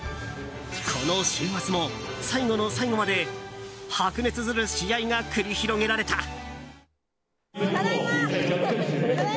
この週末も、最後の最後まで白熱する試合が繰り広げられた。